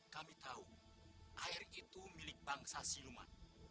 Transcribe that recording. kami tahu air itu milik bangsa siluman